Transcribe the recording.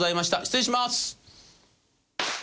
失礼します。